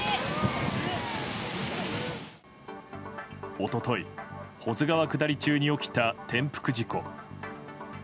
一昨日、保津川下り中に起きた転覆事故。